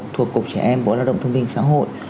thuộc cục trẻ em bộ lao động thương minh xã hội